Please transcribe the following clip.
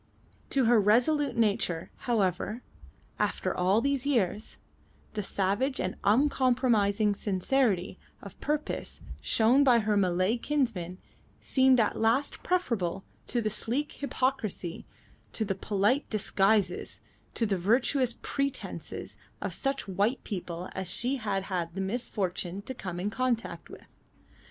To her resolute nature, however, after all these years, the savage and uncompromising sincerity of purpose shown by her Malay kinsmen seemed at last preferable to the sleek hypocrisy, to the polite disguises, to the virtuous pretences of such white people as she had had the misfortune to come in contact with.